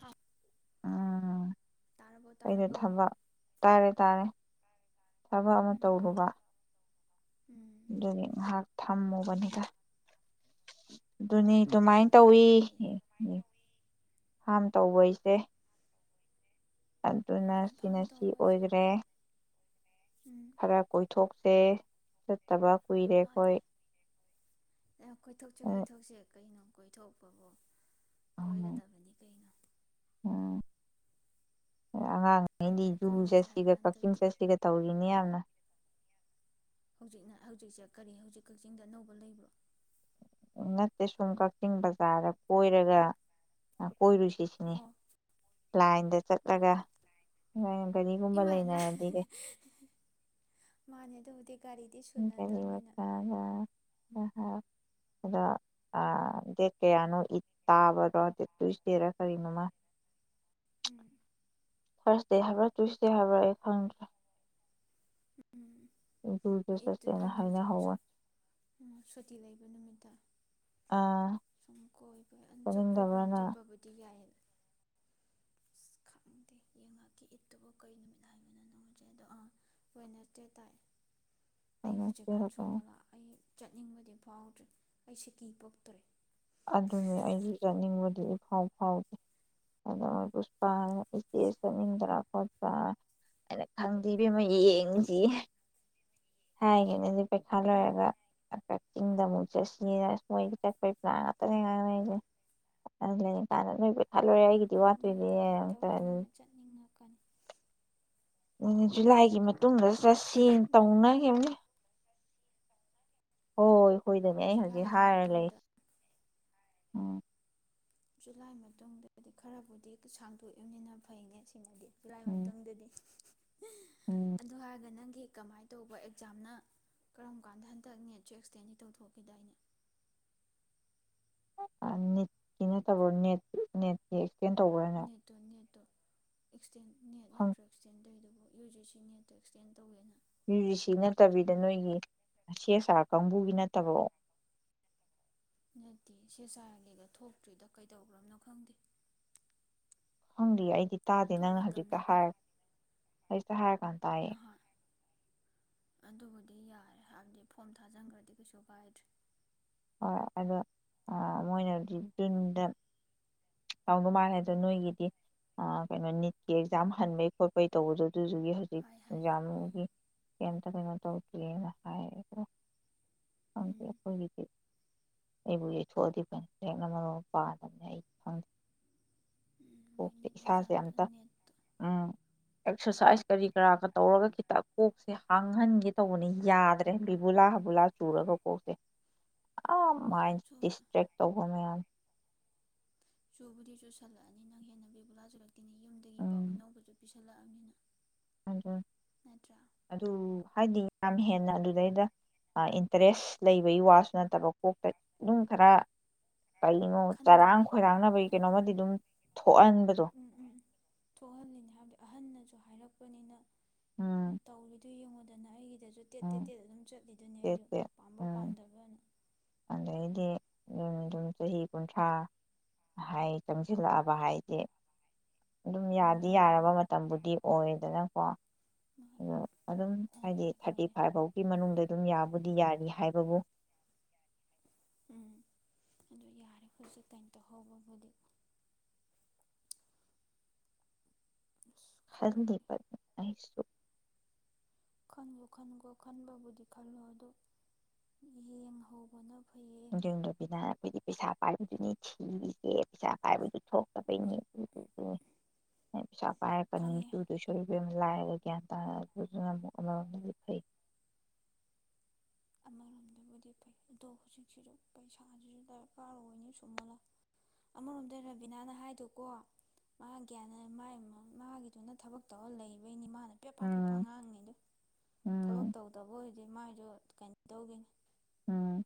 ꯍ ꯑꯥ ꯑꯩꯅ ꯇꯥꯔꯕꯣ ꯊꯝꯕ ꯇꯥꯔꯦ ꯇꯥꯔꯦ ꯊꯕꯛ ꯑꯃ ꯎꯝ ꯇꯧꯔꯨꯕ ꯎꯝ ꯑꯗꯨꯗꯤ ꯉꯥꯏꯍꯥꯛ ꯊꯝꯃꯨꯕꯅꯤꯒ ꯑꯗꯨꯅꯤ ꯑꯣ ꯍꯣꯏ ꯑꯗꯨꯃꯥꯏꯅ ꯍꯣꯏ ꯇꯧꯋꯤ ꯌꯥꯏꯌꯦ ꯌꯥꯏꯌꯦ ꯍꯥꯝ ꯇꯧꯕꯩꯁꯦ ꯑꯗꯨꯅ ꯃꯥꯅꯤ ꯐꯥꯝ ꯁꯤꯅ ꯁꯤ ꯇꯧꯕꯁꯦ ꯑꯣꯏꯒ꯭ꯔꯦ ꯎꯝ ꯈꯔ ꯀꯣꯏꯊꯣꯛ ꯔꯦ ꯆꯠꯇꯕ ꯀꯨꯏꯔꯦꯈꯣꯏ ꯑꯦ ꯀꯣꯏꯊꯣꯛꯁꯦ ꯀꯣꯏꯊꯣꯛꯁꯦ ꯀꯩꯅꯣ ꯀꯣꯏꯊꯣꯛꯄꯕꯨ ꯀꯣꯏꯒꯗꯕꯅꯤ ꯀꯩꯅꯣ ꯀꯥꯏ ꯑꯉꯥꯡꯉꯩꯗꯤ ꯀꯥꯏ ꯖꯨ ꯀꯣꯏꯔꯨꯁꯦ ꯍꯥꯏꯕ ꯆꯠꯁꯤꯒ ꯀꯛꯆꯤꯡ ꯍꯟꯗꯛꯇꯤ ꯆꯠꯁꯤꯒ ꯇꯧꯔꯤꯅꯦ ꯌꯥꯝꯅ ꯍꯧꯖꯤꯛꯅ ꯍꯧꯖꯤꯛꯁꯦ ꯀꯔꯤ ꯍꯧꯖꯤꯛ ꯀꯛꯆꯤꯡꯗ ꯑꯅꯧꯕ ꯂꯩꯕ꯭ꯔꯣ ꯅꯠꯇꯦ ꯁꯨꯝ ꯀꯛꯆꯤꯡ ꯕꯖꯥꯔꯗ ꯀꯣꯏꯔꯒ ꯀꯣꯏꯔꯨꯁꯤꯁꯤꯅꯤ ꯑꯣ ꯂꯥ꯭ꯏꯟꯗ ꯑꯣ ꯆꯠꯂꯒ ꯑꯣ ꯗꯨꯅ [unintelligible] ꯒꯥꯔꯤꯒꯨꯝꯕ ꯏꯃꯥꯏ ꯂꯥꯏ ꯂꯩꯅꯔꯗꯤ ꯕꯨꯗꯤ [unintelligible] ꯎꯝ ꯒꯥꯔꯤ ꯃꯆꯥꯔꯥ ꯈ ꯍꯥꯞ ꯑꯗꯣ ꯑ ꯗꯦꯠ ꯀꯌꯥꯅꯣ ꯏꯠ ꯇꯥꯕꯗꯣ ꯇꯨꯏ꯭ꯁꯗꯦꯔ ꯀꯔꯤꯅꯣꯃ ꯎꯝ ꯊꯥꯔ꯭ꯁꯗꯦ ꯍꯥꯏꯕ꯭ꯔꯥ ꯇꯨꯏ꯭ꯁꯗꯦ ꯍꯥꯏꯕ꯭ꯔꯥ ꯑꯩ ꯈꯪꯗ꯭ꯔꯦ ꯎꯝ ꯖꯨꯗ ꯏꯠꯇꯨꯗ ꯆꯠꯁꯦꯅ ꯑꯣꯏꯅ ꯁꯨ ꯁꯨ ꯍꯥꯏꯅꯍꯧꯕ ꯁꯨꯨꯇꯤ ꯂꯩꯕ ꯅꯨꯃꯤꯠꯇ ꯑꯥ ꯁꯨꯝ ꯀꯣꯏꯕ ꯑꯟ ꯆꯠ ꯀꯣꯏꯕ ꯆꯠꯅꯤꯡꯗꯕ꯭ꯔꯥ ꯑꯣꯏꯅ ꯅꯪ ꯆꯠꯄꯕꯨꯗꯤ ꯌꯥꯏꯌꯦ ꯑꯁ ꯈꯪꯗꯦ ꯌꯦꯡꯉꯛꯀ ꯏꯠꯇꯨꯕ ꯀꯩ ꯅꯨꯃꯤꯠ ꯍꯥꯏꯕꯅꯣꯗꯣ [unintelligible] ꯑ ꯋꯦꯅꯁꯗꯦ ꯇꯥꯏ ꯑꯩ ꯍꯧꯖꯤꯛꯀꯥꯟ ꯁꯣꯃꯣꯂꯥ ꯑꯩ ꯆꯠꯅꯤꯡꯕꯗꯤ ꯐꯥꯎꯗ꯭ꯔꯦ ꯑꯩ ꯁꯤꯀꯤ ꯄꯛꯇ꯭ꯔꯦ ꯑꯗꯨꯅꯤ ꯑꯩꯁꯨ ꯆꯠꯅꯤꯡꯕꯗꯤ ꯏꯐꯥꯎ ꯐꯥꯎꯗꯦ ꯑꯗ ꯄꯨꯁꯄꯥꯅ ꯏꯆꯦ ꯆꯠꯅꯤꯡꯗ꯭ꯔꯥ ꯈꯣꯠꯇ꯭ꯔꯥ ꯑꯩꯅ ꯈꯪꯗꯦ ꯑꯕꯦꯝꯃ ꯌꯦꯡꯖꯤ ꯍꯥꯏꯒꯤꯝꯅꯦ ꯄꯩꯁꯥ ꯎꯝ ꯂꯩꯔꯒ ꯍꯥꯏꯐꯦꯠ ꯆꯤꯡꯗ ꯑꯃꯨꯛ ꯆꯠꯁꯤꯔ ꯃꯣꯏ ꯆꯠꯄꯩ ꯄ꯭ꯂꯥꯟ ꯗꯩꯅꯤ ꯉꯥꯡꯅꯩꯖꯦ ꯂꯩ ꯀꯥꯟ ꯅꯣꯏꯕ [unintelligible] ꯍꯥꯏꯗꯤ ꯃꯣꯏꯗꯤ ꯀꯩꯅ ꯇꯧꯔꯕꯝꯅꯤꯅ ꯆꯠꯅꯤꯡꯉꯛꯀꯅꯤ ꯗꯨꯅꯦ ꯖꯨꯂꯥꯏꯒꯤ ꯃꯇꯨꯡꯗ ꯆꯠꯁꯦ ꯅꯪ ꯇꯧꯅꯈꯤꯝꯅꯤ ꯍꯣꯏ ꯍꯣꯏꯗꯅꯤ ꯑꯩ ꯍꯧꯖꯤꯛ ꯖꯨꯂꯥꯏꯒꯤ ꯍꯥꯏꯔꯒ ꯂꯩ ꯃꯇꯨꯡꯗ ꯎꯝ ꯖꯨꯂꯥꯏ ꯃꯇꯨꯡꯗꯗꯤ ꯈꯔꯕꯨꯗꯤ ꯁꯥꯡꯗꯣꯛꯏꯕꯅꯤꯅ ꯐꯩꯅꯦ ꯁꯤꯃꯗꯤ ꯖꯨꯂꯥꯏ ꯎꯝ ꯃꯇꯨꯡꯗꯗꯤ ꯍ ꯑꯗꯨ ꯍꯥꯏꯔꯒ ꯅꯪꯒꯤ ꯀꯃꯥꯏ ꯇꯧꯕ ꯑꯦꯛꯖꯥꯝꯅ ꯀꯔꯝ ꯀꯥꯟꯗ ꯍꯟꯗꯛ ꯅꯦꯠꯁꯨ ꯑꯦꯛꯁꯇꯦꯟꯗꯤ ꯇꯧꯊꯣꯛꯈꯤꯗꯥꯏꯅꯦ ꯑ ꯅꯤꯠ ꯀꯤ ꯅꯠꯇꯕ꯭ꯔꯣ ꯅꯦꯠ ꯅꯦꯠꯀꯤ ꯑꯦꯛꯁꯇꯦꯟ ꯇꯧꯕ꯭ꯔꯥꯅꯦ ꯅꯇꯣ ꯅꯠꯇꯣ ꯎ ꯅꯦꯠ ꯅꯠꯇ꯭ꯔꯒꯇꯦꯟꯗꯩꯗꯨꯕꯨ ꯌꯨ ꯖꯤꯦ ꯁꯤ ꯅꯦꯠꯇꯣ ꯑꯦꯛꯁꯇꯦꯟ ꯇꯧꯒꯦꯅ ꯃꯌꯨꯖꯤꯛꯁꯤ ꯅꯠꯇꯕꯤꯗ ꯅꯣꯏꯒꯤ ꯁꯦ ꯑ ꯁꯥꯥꯔ ꯀꯥꯡꯕꯨꯒꯤ ꯅꯠꯇꯕꯣ ꯅꯠꯇꯦ ꯁꯦ ꯆꯥꯔꯒꯒ ꯊꯣꯛꯇ꯭ꯔꯤꯗ ꯀꯩꯗꯧꯕ꯭ꯔꯝꯅꯣ ꯈꯪꯗꯦ ꯍꯪꯔꯤ ꯑꯩꯗ ꯇꯥꯗꯦ ꯅꯪꯅ ꯊꯣꯛꯂꯛꯇꯕꯅ ꯍꯧꯖꯤꯛꯇ ꯐꯩ ꯍꯥꯏꯔ ꯑꯩꯁ ꯍꯥꯏ ꯀ ꯇꯑꯌꯦ ꯅꯍꯥꯟ ꯗꯤ ꯌꯥꯔꯦ ꯍꯥꯏꯕꯗꯤ ꯐꯣꯝ ꯊꯥꯖꯤꯟꯈ꯭ꯔꯗꯤ ꯀꯩꯁꯨ ꯀꯥꯏꯗ꯭ꯔꯦ ꯍꯣꯏ ꯑꯗꯣ ꯃꯣꯏꯅꯗꯤ ꯖꯨꯟꯗ ꯇꯥꯎꯗꯧ ꯃꯥꯜꯂꯦ ꯑꯗꯣ ꯅꯣꯏꯒꯤꯗꯤ ꯀꯩꯅꯣ ꯅꯤꯠꯀꯤ ꯑꯦꯛꯖꯥꯝ ꯍꯟꯕꯩ ꯈꯣꯠꯄꯩ ꯇꯧꯕꯗ ꯑꯗꯨꯗꯨꯒꯤ ꯍꯧꯖꯤꯛ ꯍꯥꯏ ꯍꯥꯏ ꯑꯥ ꯌꯥꯝꯒꯤ ꯀ ꯀꯩꯅꯣ ꯇꯧꯗꯦꯅ ꯍꯥꯏꯌꯦꯣ ꯎꯝ ꯍꯈꯣꯏꯗꯤ ꯑꯩꯕꯨ ꯌꯩꯊꯣꯛꯑꯗꯤ ꯐꯅꯤ ꯂꯦꯛꯅ ꯃꯔꯣꯡ ꯄꯥꯗꯕꯅꯦ ꯑꯩ ꯈꯪꯗꯦ ꯎꯝ ꯃꯣꯏ ꯀꯣꯛꯁꯦ ꯅꯤꯠ ꯏꯁꯥꯁꯦ ꯑꯦꯛꯖꯥꯝꯗꯣ ꯑꯝꯇ ꯅꯦꯠꯇꯣ ꯎꯝ ꯑꯦꯛꯁꯔꯁꯥꯏꯁ ꯀꯔꯤ ꯀꯔꯥꯒ ꯇꯧꯔꯒ ꯈꯤꯇ ꯀꯣꯛꯁꯦ ꯍꯥꯡꯍꯟꯒꯦ ꯇꯧꯕꯅꯤ ꯌꯥꯗ꯭ꯔꯦ ꯕꯤꯕꯨꯂꯥ ꯍꯥꯕꯨꯂꯥ ꯆꯨꯔꯒ ꯀꯣꯛꯁꯦ ꯑꯥ ꯑꯥ ꯃꯥꯏꯟ ꯁꯣ ꯗꯤꯁꯇ꯭ꯔꯦꯛ ꯇꯧꯕ ꯃꯌꯥꯝ ꯆꯨꯕꯨꯗꯤ ꯆꯨꯁꯜꯂꯛꯑꯅꯤ ꯅꯪ ꯍꯦꯟꯅ ꯕꯦꯕꯨꯂꯥ ꯆꯨꯔꯛꯇꯦꯅꯦ ꯌꯨꯝꯗꯒꯤ ꯄꯥꯎ ꯑꯅꯧꯕꯁꯨ ꯄꯤꯁꯜꯂꯛꯑꯕꯅꯤꯅ ꯑ ꯅꯠꯇ꯭ꯔꯥ ꯑꯗꯨ ꯍꯥꯏꯗꯤꯅꯤꯡ ꯌꯥꯝ ꯍꯦꯟꯅ ꯑꯗꯨꯗꯩꯗ ꯏꯟꯇꯔꯦꯁ ꯂꯩꯕꯒꯤ ꯋꯥꯁꯨ ꯅꯠꯇꯕ ꯀꯣꯛꯇ ꯑꯗꯨꯝ ꯈꯔ ꯀꯩꯅꯣ ꯆꯔꯥꯡ ꯈꯟꯗꯤꯅꯦ ꯈꯣꯏꯔꯥꯡꯅꯕꯒꯤ ꯀꯩꯅꯣꯃꯗꯤ ꯑꯗꯨꯝ ꯊꯣꯛꯍꯟꯕꯗꯣ ꯎꯝ ꯎꯝ ꯊꯣꯛꯍꯜꯂꯤꯅꯦ ꯍꯥꯏꯕꯗꯤ ꯑꯍꯟꯅꯁꯨ ꯑꯗꯨ ꯍꯥꯏꯔꯛꯄꯅꯤꯅ ꯎꯝ ꯇꯧꯔꯤꯗꯨ ꯌꯦꯡꯉ ꯅ ꯁꯤꯗꯁꯨ ꯇꯦꯠ ꯎꯝ ꯇꯦꯠ ꯇꯦꯠ ꯑꯗꯨꯝ ꯆꯠꯂꯤꯗꯨꯅꯦ ꯑꯩꯁꯨ ꯇꯦꯠꯁꯦ ꯄꯥꯝꯕ ꯎꯝ ꯄꯥꯝꯗꯕꯅ ꯑꯗꯩꯗꯤ ꯑꯗꯨꯝ ꯑꯗꯨꯝ ꯆꯍꯤ ꯀꯨꯟꯊ꯭ꯔꯥ ꯍꯥꯏ ꯆꯪꯁꯤꯜꯂꯛꯑꯕ ꯍꯥꯏꯗꯤꯦ ꯑꯗꯨꯝ ꯌꯥꯗꯤ ꯃꯥꯅꯤ ꯌꯥꯔꯕ ꯃꯥꯅꯤ ꯃꯇꯝꯕꯨꯗꯤ ꯑꯣꯗꯅ ꯀꯣ ꯃꯥꯅꯤ ꯑꯗꯣ ꯑꯗꯨꯝ ꯍꯥꯏꯗꯤ ꯑꯣꯏꯔꯦ ꯊꯥꯔꯇꯤ ꯑꯣꯏꯔꯦ ꯐꯥꯏꯚ ꯐꯥꯎꯒꯤ ꯃꯅꯨꯡꯗ ꯑꯗꯨꯝ ꯌꯥꯕꯨꯗꯤ ꯌꯥꯔꯤ ꯍꯥꯏꯕꯕꯨ ꯎꯝ ꯑꯗꯨ ꯌꯥꯔꯦ ꯍꯧꯖꯤꯛ ꯀꯩꯅ ꯇꯧꯍꯧꯕꯕꯨꯗꯤ ꯑꯁ ꯈꯪꯗꯦ ꯍꯁꯨ ꯈꯟꯒꯣ ꯈꯟꯈꯣ ꯈꯟꯕꯕꯨꯗꯤ ꯈꯜꯂꯣ ꯑꯗꯨ ꯌꯦꯡ ꯍꯧꯕꯅ ꯐꯩ ꯌ ꯌꯨꯝꯗꯣꯕꯤꯅ ꯑꯩꯈꯣꯏꯗꯤ ꯄꯩꯁꯥ ꯄꯥꯏꯕꯗꯨꯅꯤ ꯊꯤꯔꯤꯁꯦ ꯄꯩꯁꯥ ꯄꯥꯏꯕꯗꯨ ꯊꯣꯛꯣꯛ ꯍ ꯁꯥ ꯄꯄꯥ ꯄꯅꯤꯔ ꯈꯪꯉꯦ ꯀꯗ ꯁꯨꯦ ꯂꯥꯏꯔꯒ ꯒ꯭ꯌꯥꯟ ꯇꯥꯔꯗꯨꯅ ꯑꯃꯨꯛꯗꯤ ꯐꯩ ꯑꯃꯔꯣꯝꯗꯕꯨꯗꯤ ꯐꯩ ꯑꯗꯣ ꯍꯧꯖꯤꯛꯁꯤꯁꯨ ꯄꯩꯁꯥꯁꯤꯁꯨ ꯗꯔꯀꯥꯔ ꯑꯣꯏꯅꯤ ꯁꯨꯝꯃꯜꯂ ꯑꯃꯔꯣꯝꯗ ꯔꯕꯤꯅꯥꯅ ꯍꯥꯏꯗꯣꯀꯣ ꯃꯥ ꯒ꯭ꯌꯥꯅ ꯃꯥꯒꯤꯗꯨꯅ ꯊꯕꯛ ꯇꯧꯔ ꯂꯩꯕꯩꯅꯤ ꯃꯥꯅ ꯄꯦꯄ ꯄꯦꯄ ꯎꯝ ꯉꯥꯡꯉꯤꯗꯣ ꯊꯕꯛ ꯎꯝ ꯇꯧ ꯇꯧꯕꯕꯨꯣꯣꯏꯦ ꯃꯥꯏ ꯌ ꯀꯩꯅ ꯇꯧꯒꯦꯅꯦ ꯎꯝ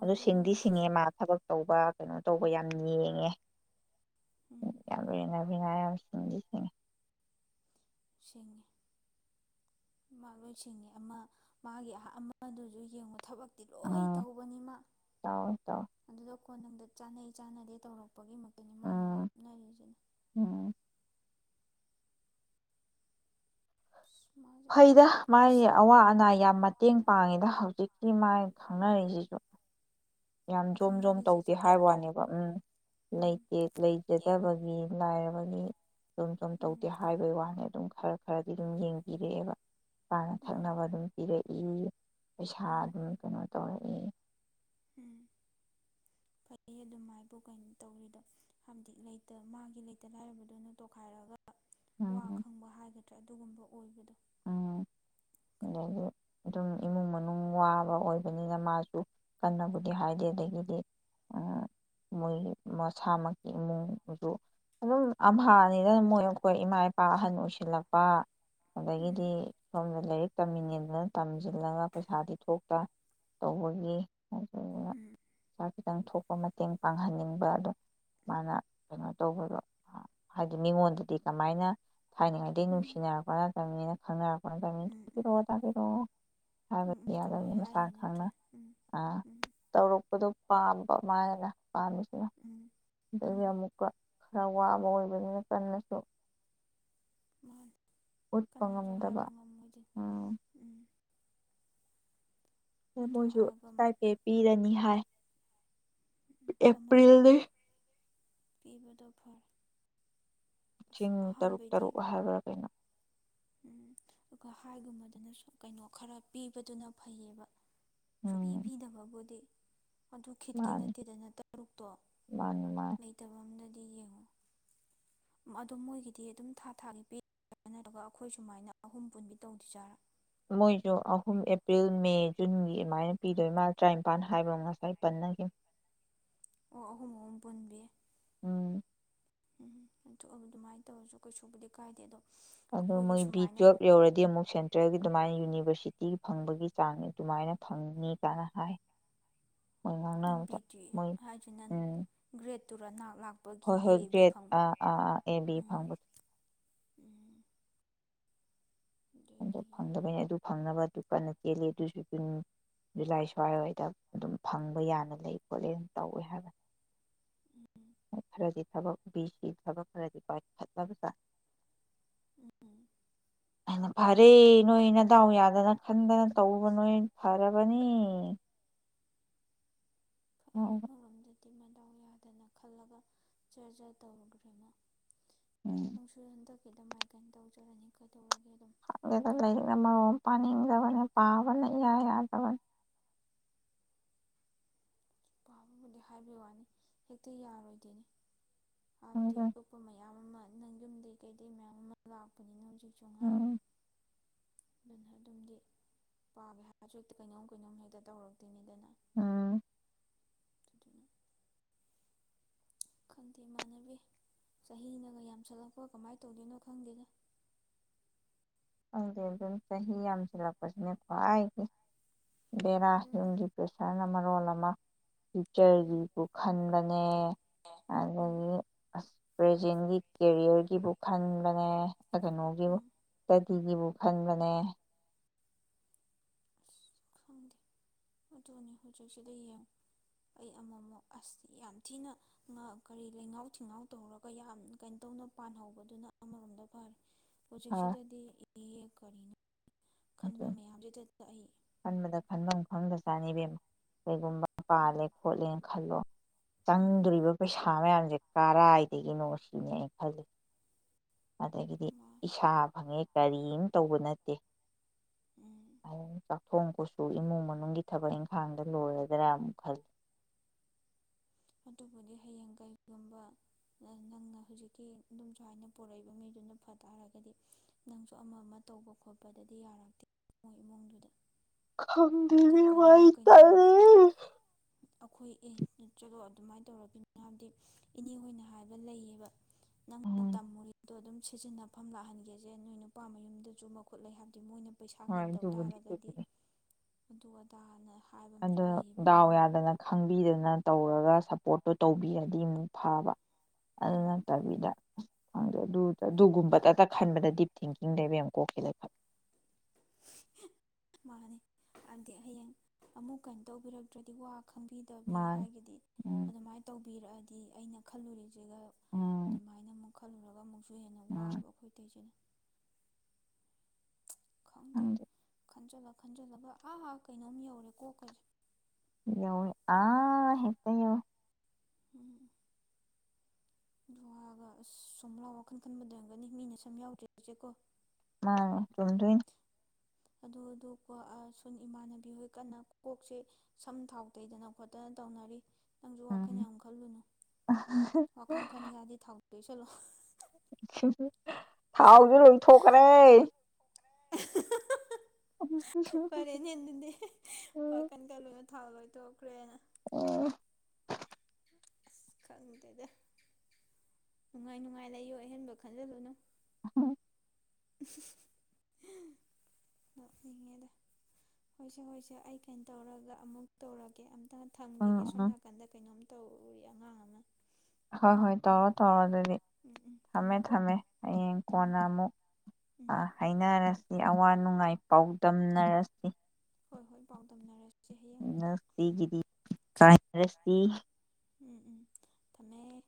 ꯑꯗꯨ ꯁꯤꯡꯗꯤ ꯁꯤꯡꯉꯦ ꯃꯥ ꯊꯕꯛ ꯇꯧꯕ ꯀꯩꯅꯣ ꯇꯧꯕ ꯌꯥꯝ ꯌꯦꯡꯉꯦ ꯎꯝ ꯌꯥꯝꯅ ꯅꯥꯁꯤꯡꯁꯤꯅꯦ ꯁꯤꯡꯉꯤ ꯃꯥ ꯂꯣꯏ ꯁꯤꯡꯉꯤ ꯑꯃ ꯃꯥꯒꯤ ꯑꯃꯗꯨꯁꯨ ꯌꯦꯡꯕ ꯊꯕꯛ ꯤ ꯂꯣꯏ ꯎꯝ ꯇꯧꯕꯅꯤꯃ ꯇꯧꯋꯦ ꯇꯧꯋꯦ ꯑꯗꯨꯗ ꯐꯣꯟꯅꯨꯡꯗ ꯆꯥꯟꯅꯩ ꯆꯥꯟꯅꯗꯦ ꯇꯧꯔꯛꯑꯣ ꯂꯄꯒꯤ ꯃꯛꯇꯅꯤ ꯃꯥꯅ ꯎꯝ ꯂꯥꯞꯅꯔꯤꯁꯤꯅꯤ ꯎꯝ ꯑꯁ ꯃꯥꯁꯦ ꯐꯩꯗ ꯑꯃꯔꯣꯝꯗꯗꯤ ꯃꯥꯒꯤ ꯁꯦꯝ ꯑꯋꯥ ꯑꯅꯥ ꯌꯥꯝ ꯃꯇꯦꯡ ꯄꯥꯡꯉꯤꯗ ꯍꯧꯖꯤꯛ ꯁꯤ ꯃꯥꯏ ꯈꯪꯅꯔꯤꯁꯤꯁꯨ ꯌꯥꯝ ꯖꯣꯝ ꯖꯣꯝ ꯈꯪꯅꯔꯤꯁꯤꯁꯨ ꯇꯧꯗꯦ ꯍꯥꯏꯕ ꯋꯥꯅꯦꯕ ꯎꯝ ꯎꯝ ꯂꯩꯇꯦ ꯂꯩꯖꯗꯕꯒꯤ ꯂꯥꯏꯔꯕꯒꯤ ꯑꯣ ꯁꯨꯝ ꯁꯨꯝ ꯇꯧꯗꯦ ꯎꯝ ꯍꯥꯏꯕꯒꯤ ꯋꯥꯅꯤ ꯑꯗꯨꯝ ꯈꯔ ꯈꯔꯗꯤ ꯑꯗꯨꯝ ꯌꯦꯡꯕꯤꯔꯛꯑꯦꯕ ꯄꯥꯅ ꯎꯝ ꯊꯛꯅꯕ ꯑꯗꯨꯝ ꯄꯤꯔꯛꯏ ꯎꯝ ꯄꯩꯁꯥ ꯎꯝ ꯑꯗꯨꯝ ꯀꯩꯅꯣ ꯇꯧꯔꯛꯑꯦ ꯎꯝ ꯐꯩ ꯑꯗꯨꯝ ꯍꯥꯏꯕꯨ ꯀꯩꯅꯣ ꯇꯧꯔꯤꯗꯣ ꯍꯥꯏꯕꯗꯤ ꯂꯩꯇ ꯃꯥꯒꯤ ꯂꯩꯇ ꯂꯥꯏꯔꯕꯗꯨꯅ ꯇꯣꯈꯥꯏꯔꯒ ꯋꯥ ꯎꯝ ꯈꯪꯕ ꯍꯥꯏꯒꯗ꯭ꯔꯥ ꯅꯠꯇ꯭ꯔ ꯑꯗꯨꯒꯨꯝꯕ ꯑꯣꯏꯕꯗꯣ ꯎꯝ ꯑꯗꯒꯤ ꯑꯗꯨꯝ ꯏꯃꯨꯡ ꯃꯅꯨꯡ ꯋꯥꯕ ꯑꯣꯏꯕꯅꯤꯅ ꯃꯥꯁꯨ ꯀꯟꯅꯕꯨꯗꯤ ꯍꯥꯏꯗꯦ ꯑꯗꯒꯤꯗꯤ ꯃꯣꯏꯒꯤ ꯃꯁꯥꯃꯛꯀꯤ ꯏꯃꯨꯡꯁꯨ ꯑꯗꯨꯝ ꯑꯐꯥꯅꯤꯗꯅ ꯃꯣꯏ ꯑꯩꯈꯣꯏ ꯏꯃꯥ ꯏꯄꯥ ꯑꯍꯟ ꯑꯣꯏꯁꯤꯜꯂꯛꯄ ꯎꯝ ꯑꯗꯒꯤꯗꯤ ꯁꯃꯦ ꯂꯩꯔ ꯆꯃꯤꯗꯨꯅ ꯇꯝꯁꯤꯜꯂꯒ ꯄꯩꯁꯥꯗꯤ ꯊꯣꯛꯇ꯭ꯔ ꯇꯧꯕꯒꯤ ꯑꯗꯨꯅ ꯎꯝ ꯄꯩꯁꯥ ꯈꯤꯇꯪ ꯊꯣꯛꯄ ꯃꯇꯦꯡ ꯄꯥꯡꯍꯟꯅꯤꯡꯕ ꯑꯗꯣ ꯃꯥꯅ ꯀꯩꯅꯣ ꯇꯧꯕꯗꯣ ꯍꯥꯏꯗꯤ ꯃꯤꯉꯣꯟꯗꯗꯤ ꯀꯃꯥꯏꯅ ꯊꯥꯏꯅꯉꯩꯗꯩ ꯎꯝ ꯅꯨꯡꯁꯤꯅꯔꯛꯄ ꯅꯠꯇꯕꯅꯤꯅ ꯈꯪꯅꯔꯛꯄ ꯎꯝ ꯎꯝ ꯇꯥꯛꯄꯤꯔꯛꯑꯣ ꯇꯥꯛꯄꯤꯔꯛꯑꯣ ꯎꯝ ꯍꯥꯏꯕꯗꯤ ꯎꯝ ꯀꯃꯥꯏ ꯌꯥꯗꯅꯤ ꯍꯥꯏꯅꯤ ꯃꯁꯥꯅ ꯈꯪꯅ ꯅꯠꯇ꯭ꯔꯥ ꯎꯝ ꯑꯥ ꯎꯝ ꯇꯧꯔꯛꯄꯗꯣ ꯄꯥꯝ ꯕ ꯃꯥꯅ ꯄꯥꯝꯃꯤꯁꯤꯅ ꯎꯝ ꯑꯗꯨꯒ ꯎꯝ ꯑꯃꯨꯛꯀ ꯈꯔ ꯋꯥꯕ ꯑꯣꯏꯕꯅꯤꯅ ꯀꯟꯅꯁꯨ ꯃꯥꯅꯤ ꯎꯠꯄ ꯉꯝꯗꯕ ꯍꯥꯏꯗꯤ ꯎꯝ ꯎꯝ ꯗꯨ ꯑꯗꯨ ꯃꫭꯏꯁꯨ ꯍꯥꯏꯔꯒ ꯁ꯭ꯇꯥꯏꯄꯦ ꯄꯤꯔꯅꯤ ꯍꯥꯏ ꯑꯃꯔꯣꯝꯗ ꯑꯦꯄ꯭ꯔꯤꯜꯗꯩ ꯑꯗꯨ ꯄꯤꯕꯗꯣ ꯐꯔꯦ ꯑꯁ ꯆꯤꯡ ꯇꯔꯨꯛ ꯑꯍꯥꯟꯕꯩꯗꯤ ꯇꯔꯨꯛ ꯍꯥꯏꯕ꯭ꯔꯥ ꯀꯩꯅꯣ ꯎꯝ ꯑꯒ ꯍꯥꯏꯒꯨꯝꯃꯗꯨꯅꯁꯨ ꯀꯩꯅꯣ ꯈꯔ ꯄꯤꯕꯗꯨꯅ ꯐꯩꯌꯦꯕ ꯁꯨꯄꯤ ꯎꯝ ꯄꯤꯗꯕ ꯕꯨꯗꯤ ꯑꯗꯨ ꯈꯤꯠꯀꯤ ꯃꯥꯅꯤ ꯅꯠꯇꯦꯗꯅ ꯇꯔꯨꯛꯇꯣ ꯃꯥꯅꯤ ꯃꯥꯅꯤ ꯂꯩꯇꯕ ꯑꯝꯗ ꯗꯤ ꯌꯦꯡꯉꯣ ꯑꯗꯣ ꯃꯣꯏꯒꯤꯗꯤ ꯑꯗꯨꯝ ꯊꯥ ꯊꯥꯒꯤ ꯄꯤꯔ [unintelligible] ꯒ ꯅꯠꯇ꯭ꯔꯒ [unintelligible] ꯑꯈꯣꯏ ꯁꯨꯃꯥꯏꯅ ꯑꯍꯨꯝ ꯄꯨꯟꯕꯤ ꯇꯧꯗꯣꯏꯖꯥꯔꯥ ꯃꯣꯏꯁꯨ ꯑꯍꯨꯝ ꯑꯦꯄ꯭ꯔꯤꯜ ꯃꯦ ꯖꯨꯟꯒꯤ ꯑꯗꯨꯃꯥꯏꯅ ꯄꯤꯗꯣꯏ ꯃꯥꯜ ꯇꯔꯥꯅꯤꯄꯥꯟ ꯍꯥꯏꯕ꯭ꯔꯥ ꯉꯁꯥꯏ ꯄꯟꯅꯒꯤꯝ ꯑꯣ ꯑꯍꯨꯝ ꯑꯍꯨꯝ ꯄꯨꯟꯕꯤ ꯎꯝ ꯎꯝ ꯊꯣꯛꯑꯕ ꯑꯗꯨꯃꯥꯏꯅ ꯇꯧꯔꯁꯨ ꯀꯩꯁꯨꯕꯨꯗꯤ ꯀꯥꯏꯗꯦ ꯑꯗꯣ ꯑꯗꯨ ꯑꯩꯈꯣꯏꯒꯤ ꯃꯣꯏ ꯕꯤ ꯁꯨꯃꯥꯏꯅ ꯇꯨꯋꯦꯜꯞ ꯌꯧꯔꯗꯤ ꯑꯃꯨꯛ ꯁꯦꯟꯇ꯭ꯔꯦꯜꯒꯤ ꯗꯨꯃꯥꯏꯅ ꯌꯨꯅꯤꯚꯔꯁꯤ ꯇꯤ ꯐꯪꯕꯒꯤ ꯆꯥꯡꯅꯤ ꯗꯨꯃꯥꯏꯅ ꯐꯪꯅꯤ ꯀꯥꯏꯅ ꯍꯥꯏ ꯃꯣꯏ ꯑ ꯕꯤ ꯉꯥꯡꯅꯕꯗ ꯇꯤ ꯃꯣꯏ ꯍꯥꯏꯁꯤꯅꯟ ꯎꯝ ꯒ꯭ꯔꯦꯠ ꯇꯨꯔꯥ ꯅꯥꯛ ꯂꯥꯛꯄꯒꯤ ꯍꯣꯏ ꯍꯣꯏ ꯑꯦ ꯕꯤ ꯒ꯭ꯔꯦꯠ ꯐꯪꯉ ꯑꯥ ꯒ꯭ꯔꯦꯠ ꯑꯥ ꯑꯥ ꯑꯥ ꯑꯦ ꯕꯤ ꯐꯪꯕꯗꯣ ꯐꯪ ꯎꯝ ꯑꯗꯨꯗꯤ ꯑꯗꫭ ꯌꯥꯏ ꯐꯪꯗꯕꯩꯅꯤ ꯑꯗꯨ ꯐꯪꯅꯕ ꯑꯗꯨ ꯀꯟꯅ ꯆꯦꯜꯂꯤ ꯑꯗꯨꯁꯨ ꯖꯨꯟ ꯖꯨꯂꯥꯏ ꯁ꯭ꯋꯥꯏ ꯋꯥꯏꯗ ꯑꯗꯨꯝ ꯐꯪꯕ ꯌꯥꯅ ꯂꯩ ꯈꯣꯠꯂꯦ ꯑꯅ ꯇꯧꯋꯦ ꯈꫭꯠꯂꯦꯅ ꯇꯧꯋꯦ ꯍꯥꯏꯕꯅꯤ ꯎꯝ ꯍꫭꯏ ꯐꯔꯗꯤ ꯊꯕꯛ ꯕꯤ ꯁꯤ ꯊꯕꯛ ꯈꯔꯗꯤ ꯄꯥꯏꯈꯠꯂꯕ ꯆꯥ ꯎꯝ ꯑꯅ ꯐꯔꯦ ꯑꯁ ꯅꯣꯏꯅꯤ ꯅꯗꯥꯎ ꯌꯥꯗꯅ ꯈꯟꯗꯅ ꯇꯧꯕ ꯅꯣꯏ ꯐꯔꯕꯅꯤ ꯑꯣ ꯗꯤ ꯃꯗꯥꯎ ꯌꯥꯗꯅ ꯈꯜꯂꯒ ꯖꯔꯖꯔ ꯇꯧꯔꯒ꯭ꯔꯦꯃꯥ ꯎꯝ ꯅꯨꯡꯁꯨ ꯍꯟꯗꯛ ꯈꯤꯇ ꯍꯥꯏ ꯀꯩꯅꯅ ꯇꯧꯖꯔꯅꯤ ꯀꯩꯗꯧꯔꯒꯦ ꯑꯗꯨꯝ ꯈꯒꯦꯗ ꯂꯥꯏꯔꯤꯛꯅ ꯃꯔꯣ ꯃꯄꯥꯥꯡ ꯏꯗꯕꯅꯤ ꯄꯥꯕꯅ ꯏꯌꯥ ꯌꯥꯗꯕꯅꯤ ꯑꯗꯨꯕꯨꯗꯤ ꯍꯥꯏꯕ ꯋꯥꯅꯤ ꯍꯦꯛꯇ ꯌꯥꯔꯣꯏꯗꯣꯏꯅꯤ ꯗꯤ ꯑꯇꯣꯞꯄ ꯃꯌꯥꯝ ꯑꯃ ꯑꯗꯨ ꯅꯪ ꯌꯨꯝꯗꯒꯤ ꯀꯩꯗꯩ ꯃꯌꯥꯝ ꯑꯃ ꯂꯥꯛꯄꯅꯤꯅ ꯍꯧꯖꯤꯛ ꯆꯖꯣꯡꯒꯥꯔ ꯑꯗꯨꯅ ꯑꯗꯨꯝꯗꯤ ꯄꯥꯒꯦ ꯍꯥꯏꯁꯨꯛꯇꯤ ꯀꯩꯅꯣꯝ ꯀꯩꯅꯣꯝ ꯍꯦꯛꯇ ꯇꯧꯔꯛꯇꯣꯏꯅꯤꯗꯅ ꯑꯝ ꯑꯗꯨꯗꯨꯅ ꯈꯪꯗꯦ ꯏꯃꯥꯟꯅꯕꯤ ꯆꯍꯤꯅꯒ ꯌꯥꯝꯁꯜꯂꯛꯄ ꯀꯃꯥꯏꯅ ꯇꯧꯗꯣꯏꯅꯣ ꯈꯪꯗꯦꯅ ꯍꯧꯪꯗꯦ ꯑꯗꯨꯝ ꯆꯍꯤ ꯌꯥꯝꯁꯤꯜꯂꯛꯄꯁꯤꯅꯦꯀꯣ ꯑꯩꯒꯤ ꯗꯦꯔ ꯑꯗꯨꯅꯤ ꯌꯖꯤ ꯄꯦꯁꯔ ꯔꯣ ꯂꯃ ꯎꯝ ꯆꯔꯂꯤꯕꯨ ꯎꯝ ꯈꯟ ꯕꯅꯦ ꯑꯗꯒꯤ ꯑ ꯄ꯭ꯔꯖꯦꯟꯒꯤ ꯀꯦꯔꯤꯌꯔꯒꯤꯕꯨ ꯈꯟꯕꯅꯦ ꯀꯗꯅꯒꯦꯕ ꯎꯝ ꯤꯒꯤꯕꯨ ꯈꯟꯕꯅꯦ ꯑꯁ ꯈꯪꯗꯦ ꯑꯗꯨꯅꯤ ꯍꯧꯖꯤꯛꯁꯤꯗ ꯌꯦꯡꯉ ꯑꯩ ꯑꯃꯃꯨꯛ ꯑꯁ ꯌꯥꯝ ꯊꯤꯅ ꯀꯔꯤ ꯂꯩꯉꯥꯎ ꯊꯤꯡꯉꯥꯎ ꯇꯧꯔꯒ ꯌꯥꯝ ꯀꯩꯅꯣ ꯇꯧꯅ ꯄꯥꯟꯍꯧꯕꯗꯨꯅ ꯑꯃꯔꯣꯝꯗ ꯐꯔꯦ ꯎꯆ ꯎꯆꯦꯛꯁꯤꯗꯗꯤ ꯀ ꯀꯔꯤꯅ ꯈꯟꯕ ꯃꯌꯥꯝꯗꯨꯗ ꯇ ꯑꯩ ꯈꯟꯕꯗ ꯈꯟꯐꯝ ꯈꯐꯝꯗ ꯆꯥꯅꯕꯦꯝ ꯑꯃ ꯀꯩꯒꯨꯝꯕ ꯎꯝ ꯄꯥꯜꯂꯦ ꯈꯣꯠꯂꯦꯅ ꯈꯜꯂꯣ ꯎꯝ ꯆꯪꯗꯣꯔꯤꯕ ꯄꯩꯁꯥ ꯊꯥ ꯃꯌꯥꯝꯁꯦ ꯀꯔꯥꯏꯗꯒꯤꯅꯣ ꯁꯤꯅꯤ ꯑ ꯈꯜꯂꯤ ꯑꯗꯒꯤꯗꯤ ꯏꯁꯥ ꯐꯪꯉꯦ ꯀꯔꯤꯝ ꯇꯧꯕ ꯅꯠꯇꯦ ꯎꯝ ꯑ ꯆꯥꯛꯊꯣꯡꯄꯁꯨ ꯏꯃꯨꯡ ꯃꯅꯨꯡꯒꯤ ꯊꯕꯛ ꯏꯪꯈꯥꯡꯗ ꯂꯣꯏꯔꯗ꯭ꯔꯥ ꯑꯃꯨꯛ ꯈꯜꯂꯤ ꯑꯗꯨꯕꯨꯗꯤ ꯍꯌꯦꯡ ꯀꯩꯒꯨꯝꯕ ꯅꯪꯅ ꯍꯧꯖꯤꯛꯀꯤ ꯑꯗꯨꯝꯁꯨ ꯍꯥꯏꯥꯏꯅ ꯄꯣꯔꯛꯏꯕ ꯃꯤꯗꯨꯅ ꯐ ꯇꯥꯔꯒꯗꯤ ꯅꯪꯁꯨ ꯑꯃ ꯑꯃ ꯇꯧꯕ ꯈꯣꯠꯄꯗꯗꯤ ꯌꯥꯔꯛꯇꯦ ꯏꯃꯨꯡꯗꯨꯗ ꯍꯥꯏꯕꯗꯤ ꯈꯝꯗꯉꯏ ꯇꯔꯦ ꯑꯩꯈꯣꯏꯒ ꯑꯗꯨꯃꯥꯏꯅ ꯇꯧꯔꯅꯤ ꯍꯥꯏꯕꯗꯤ ꯏꯅꯦ ꯍꯣꯏꯅ ꯍꯥꯏꯕ ꯂꯩꯌꯦꯕ ꯎꯝ ꯇꯃꯣꯔꯤ ꯇꯣ ꯑꯗꯨꯝ ꯁꯤꯖꯤꯟꯅꯐꯝ ꯂꯥꯛꯍꯟꯒꯦꯁꯦ ꯅꯣꯏ ꯅꯨꯄꯥ ꯃꯌꯨꯝꯗꯁꯨ ꯃꯈꯨꯠ ꯂꯩ ꯍꯥꯏꯕꯗꯤ ꯃꯣꯏꯅ ꯄꯩꯁꯥ ꯀꯩꯅꯣ ꯇꯧ ꯍꯁꯨ ꯇꯥꯔꯒꯗꯤ ꯑꯗꯨ ꯑꯗꯥꯅ ꯍꯥꯏꯕ ꯑꯃꯁꯨ ꯑꯗꯣ ꯂꯩꯌꯦꯕ ꯗꯥꯎ ꯃꯣꯏꯅꯁꯨ ꯌꯥꯗꯅ ꯈꯪꯕꯤꯗꯅ ꯇꯧꯔꯒ ꯁꯞꯄꯣꯔꯠꯇꯨꯣ ꯇꯧꯕꯤꯔꯗꯤ ꯑꯃꯨꯛ ꯐꯥꯕ ꯑꯗꯨ ꯎꯝ ꯇꯕꯤꯗꯥ ꯪꯗ ꯑꯗꯨꯒꯨꯝꯕꯇꯇ ꯈꯟꯕꯗ ꯗꯤꯞ ꯊꯤꯡꯀꯤꯡꯅꯦꯕ ꯌꯥꯝ ꯀꯣꯛꯀꯂ ꯈꯦ ꯃꯥꯅꯦ ꯑꯗꯤ ꯍꯌꯦꯡ ꯑꯃꯨꯛ ꯀꯩꯅꯣ ꯇꯧꯕꯤꯔꯛꯇ꯭ꯔꯗꯤ ꯋꯥ ꯈꯪꯕꯤꯗꯕꯤ ꯃꯥꯅꯤ ꯍꯥꯏꯒꯗꯤ ꯎꯝ ꯑꯗꯨꯃꯥꯏꯅ ꯇꯧꯕꯤꯔꯛꯑꯗꯤ ꯗꯤ ꯑꯩꯅ ꯈꯜꯂꯨꯔꯤꯁꯦ ꯁꯤꯒ ꯎꯝ ꯑꯗꯨꯃꯥꯏꯅ ꯑꯃꯨꯛ ꯜꯂꯨꯔꯒ ꯑꯃꯨꯛ ꯁꯨ ꯍꯦꯟꯅ ꯎꯝ ꯋꯥꯕ ꯑꯩꯈꯣꯏ ꯑꯇꯩꯁꯤꯅ ꯈꯪꯗꯦ ꯈꯟꯖꯂ ꯈꯟꯖꯜꯂꯕ ꯑꯥ ꯑꯥ ꯀꯩꯅꯣꯝ ꯌꯧꯔꯦ ꯀꯣꯛꯈꯁꯦ ꯌꯧ ꯑꯥ ꯍꯦꯛꯇ ꯌꯧ ꯎꯝ ꯒ ꯑꯁ ꯁꯣꯝꯂꯥ ꯋꯥꯈꯜ ꯈꯟꯕꯗꯔꯝꯒꯅꯤ ꯃꯤꯅ ꯁꯝ ꯌꯥꯎꯗ꯭ꯔꯤꯕꯁꯦꯀꯣ ꯃꯥ ꯆꯨꯝꯗꯣꯏ ꯑꯗꯨ ꯁꯟ ꯏꯃꯥꯟꯅꯕꯤ ꯍꯣꯏ ꯀꯟꯅ ꯀꯣꯛꯁꯦ ꯁꯝ ꯊꯥꯎ ꯇꯩꯗꯅ ꯈꯣꯠꯇꯅ ꯇꯧꯅꯔꯤ ꯅꯪꯁꯨ ꯋꯥꯈꯜ ꯎꯝ ꯌꯥꯝ ꯈꯜꯂꯨꯅꯨ ꯋꯥꯈꯜ ꯈꯟꯒꯦ ꯍꯥꯏꯗꯤ ꯊꯥꯎꯗ ꯀ ꯆꯂꯣ ꯊꯥꯎꯁ ꯂꯣꯏꯊꯣꯛꯈ꯭ꯔꯦ ꯎꯝ ꯐꯔꯦꯅꯦꯗꯤ ꯄꯀꯟ ꯀꯂ ꯊꯥꯎ ꯂꯣꯏꯊꯣꯛꯈ꯭ꯔꯦꯅ ꯑ ꯑꯁ ꯈꯪꯗꯦꯗ ꯅꯨꯡꯉꯥꯏ ꯅꯨꯡꯉꯥꯏ ꯂꯩꯌꯣ ꯑꯍꯦꯟꯕ ꯈꯟꯖꯤꯜꯂꯨꯅꯨ ꯍꯝ ꯂꯉꯦꯗ ꯍꯣꯏꯁꯦ ꯍꯣꯏꯁꯦ ꯑꯩ ꯀꯩꯅꯣ ꯇꯧꯔꯒ ꯑꯃꯨꯛ ꯇꯧꯔꯒꯦ ꯊꯝꯈꯤꯒꯦ ꯁꯣꯝ ꯎꯝ ꯅꯥꯀꯟꯗ ꯀꯩꯅꯣꯝ ꯇꯧꯔꯤ ꯑꯉꯥꯡ ꯑꯃ ꯍꯣꯏ ꯎꯝ ꯍꯣꯏ ꯎꯝ ꯇꯧꯔꯣ ꯇꯧꯔꯣ ꯑꯗꯨꯗꯤ ꯎꯝ ꯎꯝ ꯊꯝꯃꯦ ꯊꯝꯃꯦꯀꯣ ꯊꯝꯃꯦ ꯍꯌꯦꯡ ꯎꯝ ꯀꯣꯟꯅ ꯑꯃꯨꯛ ꯎꯝ ꯑꯥ ꯍꯥꯏꯅꯔꯁꯤ ꯑꯋꯥ ꯅꯨꯡꯉꯥꯏ ꯄꯥꯎꯗꯝꯅꯔꯁꯤ ꯍꯣꯏ ꯍꯣꯏ ꯄꯥꯎꯗꯝꯅꯔꯁꯤꯦ ꯅꯁꯤꯒꯤꯗꯤ ꯀ ꯎꯝ ꯎꯝ ꯇꯃꯦ